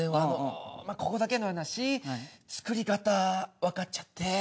まあここだけの話作り方わかっちゃって。